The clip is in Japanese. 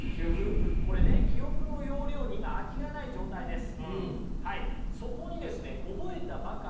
これね記憶の容量に今空きがない状態です。